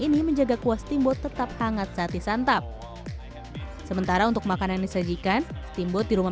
ini menjaga kuah timbot tetap hangat saat disantap sementara untuk makanan disajikan timbot di rumah